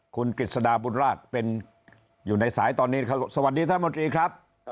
คุณกริจสดาบูรราชอยู่ในสายตอนนี้สวัสดีท่านมนตรีครับ